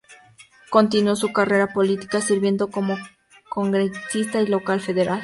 Continuó su carrera política sirviendo como congresista local y federal.